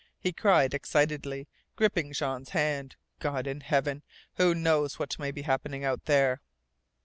he cried excitedly, gripping Jean's hand. "God in Heaven, who knows what may be happening out there!"